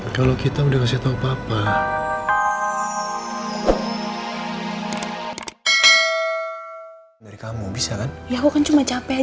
kalo kita udah kasih tau papa